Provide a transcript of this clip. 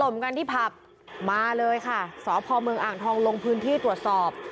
มาเลยค่ะสาวภอมนต์อ่างทองลงพื้นที่ตรวจสอบ